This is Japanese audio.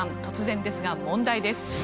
突然ですが問題です。